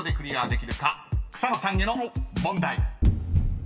［草野さんへの問題］